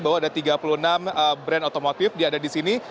bahwa ada tiga puluh enam brand otomotif yang ada di sini